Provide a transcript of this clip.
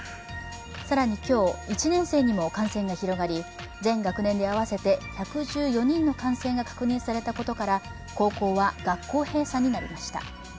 更に今日、１年生にも感染が広がり全学年で合わせて１１４人の感染が確認されたことから、高校は学校閉鎖になりました。